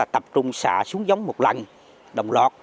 trùng xạ xuống giống một lần đồng lọt